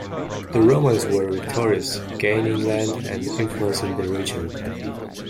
The Romans were victorious, gaining land and influence in the region.